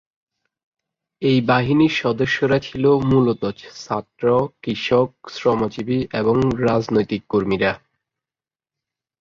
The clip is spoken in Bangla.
এই বাহিনীর সদস্যরা ছিলো মূলত ছাত্র, কৃষক, শ্রমজীবী এবং রাজনৈতিক কর্মীরা।